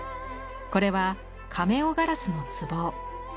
これはカメオ・ガラスの壺。